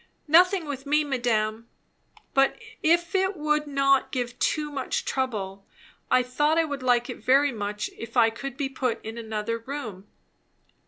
"Nothing, with me, madame. But if it would not give too much trouble I thought I would like it very much if I could be put in another room."